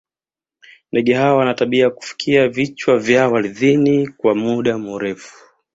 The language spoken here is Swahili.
ndege hao wana tabia ya kufukia vichwa vyao ardhini kwa muda mrefu